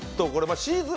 シーズン